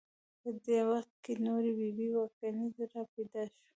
په دې وخت کې نورې بي بي او کنیزې را پیدا شوې.